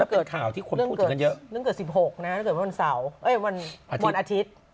น่าเป็นข่าวที่ควรพูดถึงกันเยอะ